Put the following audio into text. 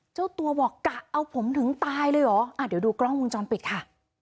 เจ้าตัวบอกกะเอาผมถึงตายเลยเหรอเดี๋ยวดูกล้องวงจรปิดค่ะ